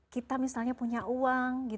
kita misalnya punya uang